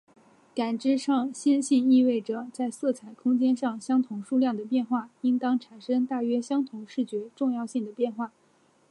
感知上线性意味着在色彩空间上相同数量的变化应当产生大约相同视觉重要性的变化。